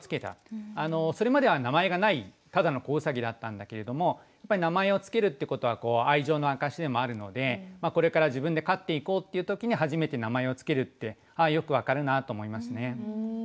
それまでは名前がないただの子うさぎだったんだけれども名前を付けるってことは愛情の証しでもあるのでこれから自分で飼っていこうっていう時に初めて名前を付けるってああよく分かるなあと思いますね。